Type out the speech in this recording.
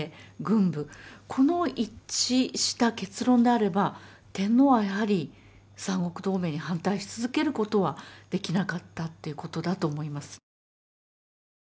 この一致した結論であれば天皇はやはり三国同盟に反対し続けることはできなかったっていうことだと思います。